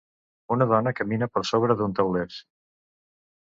Una dona camina per sobre d"un taulers.